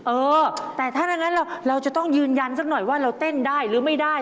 เออแต่ถ้างั้นเราจะต้องยืนยันสักหน่อยว่าเราเต้นได้หรือไม่ได้